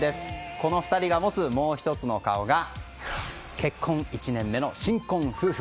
この２人が持つもう１つの顔が結婚１年目の新婚夫婦。